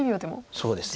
そうですね。